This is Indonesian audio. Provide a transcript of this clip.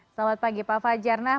selamat pagi pak fajar